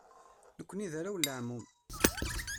Nekkni d arraw n leɛmum.